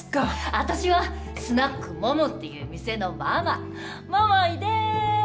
私はスナック桃っていう店のママ桃井です。